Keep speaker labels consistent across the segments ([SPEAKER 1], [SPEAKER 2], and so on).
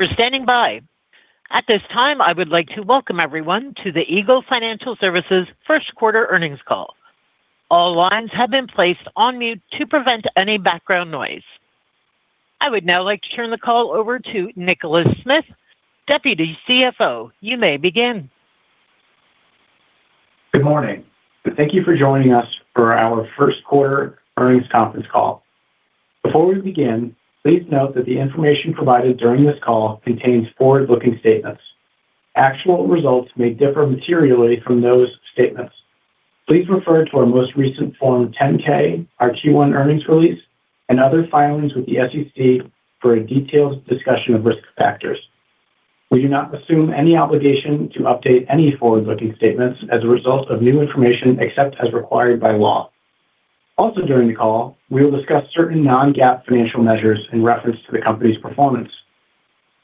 [SPEAKER 1] Thank you for standing by. At this time, I would like to welcome everyone to the Eagle Financial Services first quarter earnings call. All lines have been placed on mute to prevent any background noise. I would now like to turn the call over to Nicholas Smith, Deputy CFO. You may begin.
[SPEAKER 2] Good morning. Thank you for joining us for our first quarter earnings conference call. Before we begin, please note that the information provided during this call contains forward-looking statements. Actual results may differ materially from those statements. Please refer to our most recent Form 10-K, our Q1 earnings release, and other filings with the SEC for a detailed discussion of risk factors. We do not assume any obligation to update any forward-looking statements as a result of new information, except as required by law. Also during the call, we will discuss certain non-GAAP financial measures in reference to the company's performance.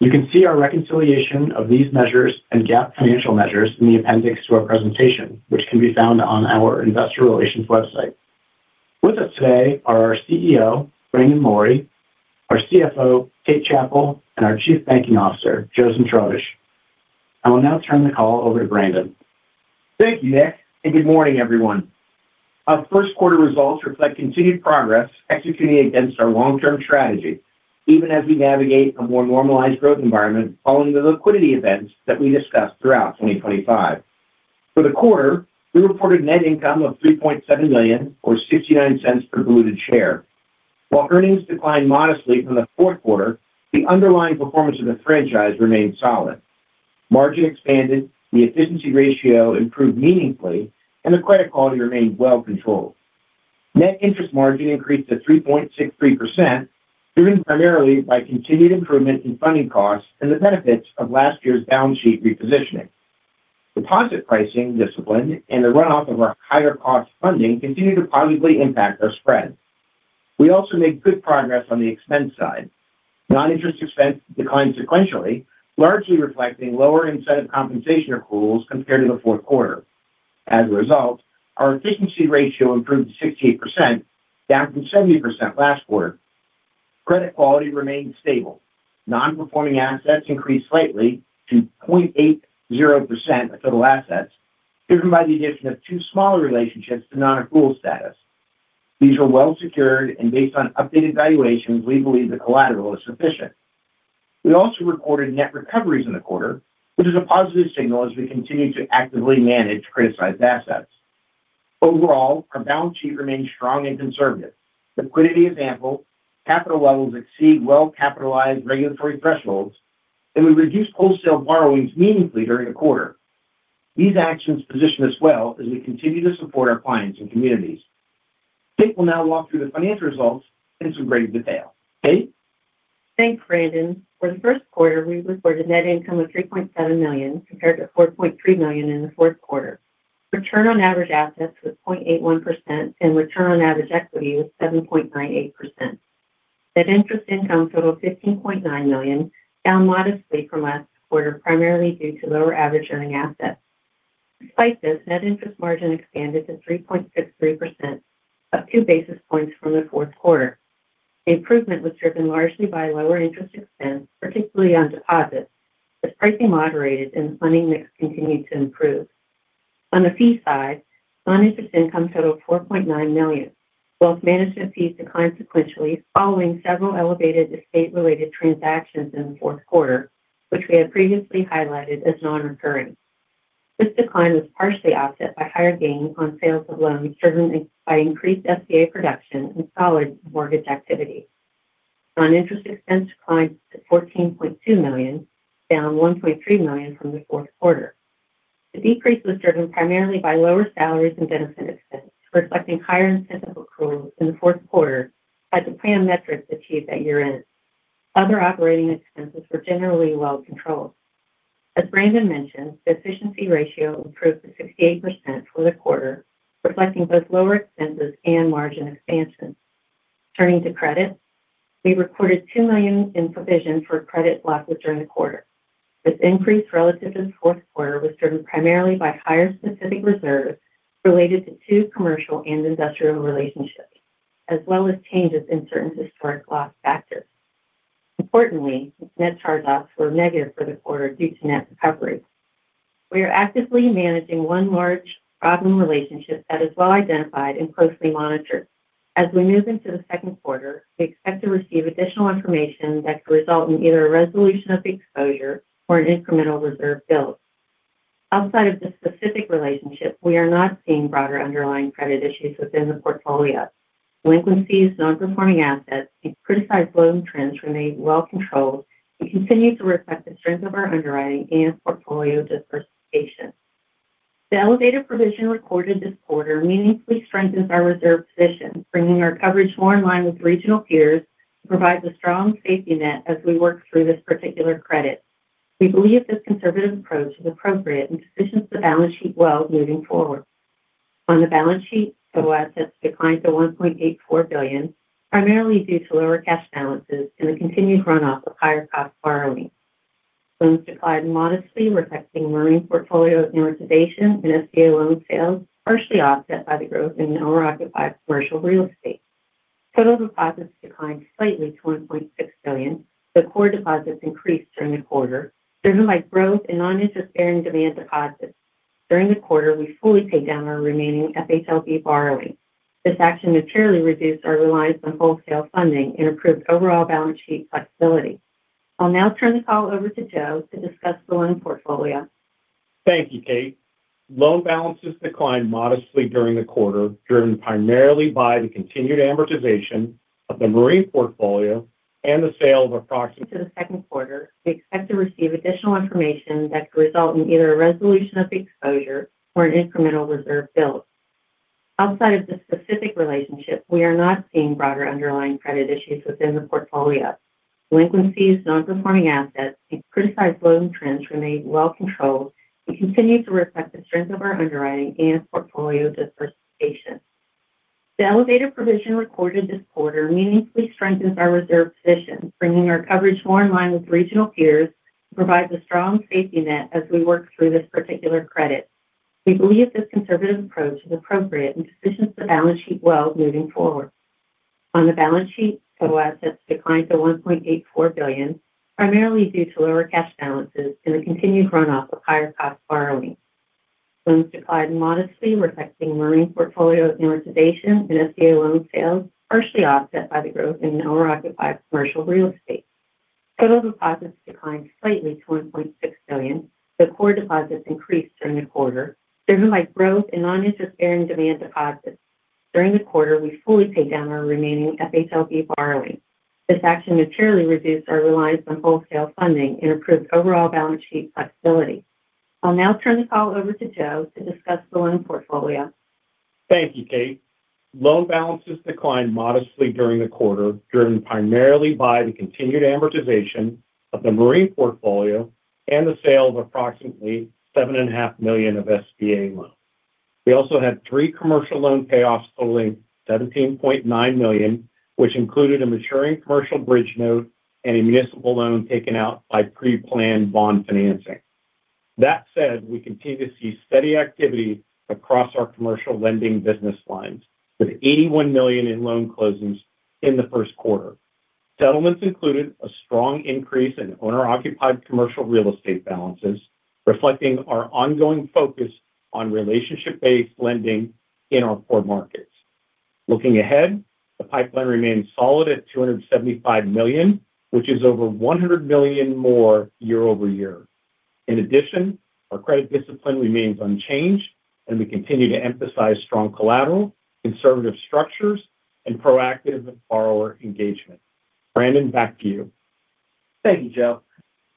[SPEAKER 2] You can see our reconciliation of these measures and GAAP financial measures in the appendix to our presentation, which can be found on our investor relations website. With us today are our CEO, Brandon Lorey, our CFO, Kathleen Chappell, and our Chief Banking Officer, Joseph Zmitrovich. I will now turn the call over to Brandon.
[SPEAKER 3] Thank you, Nick, and good morning, everyone. Our first quarter results reflect continued progress executing against our long-term strategy, even as we navigate a more normalized growth environment following the liquidity events that we discussed throughout 2025. For the quarter, we reported net income of $3.7 million or $0.69 per diluted share. While earnings declined modestly from the fourth quarter, the underlying performance of the franchise remained solid. Margin expanded, the efficiency ratio improved meaningfully, and the credit quality remained well controlled. Net interest margin increased to 3.63%, driven primarily by continued improvement in funding costs and the benefits of last year's balance sheet repositioning. Deposit pricing discipline and the runoff of our higher cost funding continued to positively impact our spread. We also made good progress on the expense side. Noninterest expense declined sequentially, largely reflecting lower incentive compensation accruals compared to the fourth quarter. As a result, our efficiency ratio improved to 68%, down from 70% last quarter. Credit quality remained stable. Non-performing assets increased slightly to 0.80% of total assets, driven by the addition of two smaller relationships to non-accrual status. These were well secured, and based on updated valuations, we believe the collateral is sufficient. We also recorded net recoveries in the quarter, which is a positive signal as we continue to actively manage criticized assets. Overall, our balance sheet remains strong and conservative. Liquidity, for example, capital levels exceed well-capitalized regulatory thresholds, and we reduced wholesale borrowings meaningfully during the quarter. These actions position us well as we continue to support our clients and communities. Kate will now walk through the financial results in some great detail. Kate?
[SPEAKER 4] Thanks, Brandon. For the first quarter, we reported net income of $3.7 million, compared to $4.3 million in the fourth quarter. Return on average assets was 0.81%, and return on average equity was 7.98%. Net interest income totaled $15.9 million, down modestly from last quarter, primarily due to lower average earning assets. Despite this, net interest margin expanded to 3.63%, up 2 basis points from the fourth quarter. The improvement was driven largely by lower interest expense, particularly on deposits, as pricing moderated and the funding mix continued to improve. On the fee side, non-interest income totaled $4.9 million. Wealth management fees declined sequentially following several elevated estate-related transactions in the fourth quarter, which we had previously highlighted as non-recurring. This decline was partially offset by higher gains on sales of loans driven by increased SBA production and solid mortgage activity. Non-interest expense declined to $14.2 million, down $1.3 million from the fourth quarter. The decrease was driven primarily by lower salaries and benefit expense, reflecting higher incentive accruals in the fourth quarter as the planned metrics achieved at year-end. Other operating expenses were generally well controlled. As Brandon mentioned, the efficiency ratio improved to 68% for the quarter, reflecting both lower expenses and margin expansion. Turning to credit, we recorded $2 million in provision for credit losses during the quarter. This increase relative to the fourth quarter was driven primarily by higher specific reserves related to two commercial and industrial relationships, as well as changes in certain historical loss factors. Importantly, net charge-offs were negative for the quarter due to net recovery. We are actively managing one large problem relationship that is well identified and closely monitored. As we move into the second quarter, we expect to receive additional information that could result in either a resolution of the exposure or an incremental reserve build. Outside of this specific relationship, we are not seeing broader underlying credit issues within the portfolio. Delinquencies, non-performing assets, and criticized loan trends remain well controlled and continue to reflect the strength of our underwriting and portfolio diversification. The elevated provision recorded this quarter meaningfully strengthens our reserve position, bringing our coverage more in line with regional peers to provide a strong safety net as we work through this particular credit. We believe this conservative approach is appropriate and positions the balance sheet well moving forward. On the balance sheet, total assets declined to $1.84 billion, primarily due to lower cash balances and the continued runoff of higher cost borrowing. Loans declined modestly, reflecting marine portfolio amortization and SBA loan sales, partially offset by the growth in owner-occupied commercial real estate. Total deposits declined slightly to $1.6 billion, but core deposits increased during the quarter, driven by growth in non-interest-bearing demand deposits. During the quarter, we fully paid down our remaining FHLB borrowing. This action materially reduced our reliance on wholesale funding and improved overall balance sheet flexibility. I'll now turn the call over to Joe to discuss the loan portfolio.
[SPEAKER 5] Thank you, Kate. Loan balances declined modestly during the quarter, driven primarily by the continued amortization of the marine portfolio and the sale of approximately.
[SPEAKER 4] To the second quarter, we expect to receive additional information that could result in either a resolution of the exposure or an incremental reserve build. Outside of this specific relationship, we are not seeing broader underlying credit issues within the portfolio. Delinquencies, non-performing assets, and criticized loan trends remain well controlled and continue to reflect the strength of our underwriting and portfolio diversification. The elevated provision recorded this quarter meaningfully strengthens our reserve position, bringing our coverage more in line with regional peers to provide a strong safety net as we work through this particular credit. We believe this conservative approach is appropriate and positions the balance sheet well moving forward. On the balance sheet, total assets declined to $1.84 billion, primarily due to lower cash balances and the continued run-off of higher-cost borrowing. Loans declined modestly, reflecting marine portfolio amortization and SBA loan sales, partially offset by the growth in owner-occupied commercial real estate. Total deposits declined slightly to $1.6 billion, but core deposits increased during the quarter, driven by growth in non-interest-bearing demand deposits. During the quarter, we fully paid down our remaining FHLB borrowing. This action materially reduced our reliance on wholesale funding and improved overall balance sheet flexibility. I'll now turn the call over to Joe to discuss the loan portfolio.
[SPEAKER 5] Thank you, Kate. Loan balances declined modestly during the quarter, driven primarily by the continued amortization of the marine portfolio and the sale of approximately $7.5 million of SBA loans. We also had three commercial loan payoffs totaling $17.9 million, which included a maturing commercial bridge note and a municipal loan taken out by pre-planned bond financing. That said, we continue to see steady activity across our commercial lending business lines, with $81 million in loan closings in the first quarter. Settlements included a strong increase in owner-occupied commercial real estate balances, reflecting our ongoing focus on relationship-based lending in our core markets. Looking ahead, the pipeline remains solid at $275 million, which is over $100 million more year-over-year. In addition, our credit discipline remains unchanged, and we continue to emphasize strong collateral, conservative structures, and proactive borrower engagement. Brandon, back to you.
[SPEAKER 3] Thank you, Joe.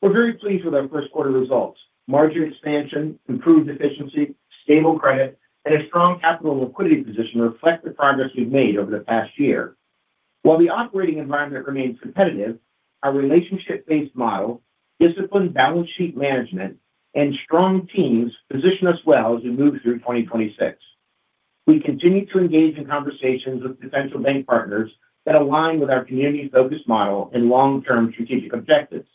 [SPEAKER 3] We're very pleased with our first quarter results. Margin expansion, improved efficiency, stable credit, and a strong capital and liquidity position reflect the progress we've made over the past year. While the operating environment remains competitive, our relationship-based model, disciplined balance sheet management, and strong teams position us well as we move through 2026. We continue to engage in conversations with potential bank partners that align with our community-focused model and long-term strategic objectives.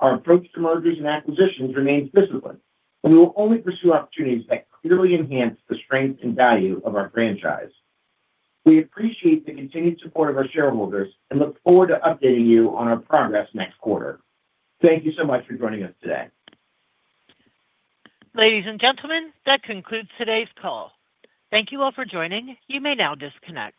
[SPEAKER 3] Our approach to mergers and acquisitions remains disciplined, and we will only pursue opportunities that clearly enhance the strength and value of our franchise. We appreciate the continued support of our shareholders and look forward to updating you on our progress next quarter. Thank you so much for joining us today.
[SPEAKER 1] Ladies and gentlemen, that concludes today's call. Thank you all for joining. You may now disconnect.